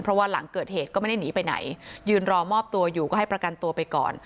เพราะว่าหลังเกิดเหตุก็ไม่ได้หนีไปไหนยืนรอมอบตัวอยู่ก็ให้ประกันตัวไปก่อน